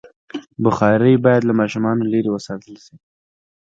بخاري باید له ماشومانو لرې وساتل شي.